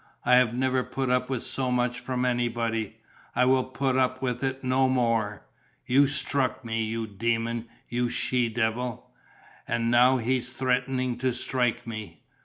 I have never put up with so much from anybody. I will put up with no more. You struck me, you demon, you she devil! And now he's threatening to strike me!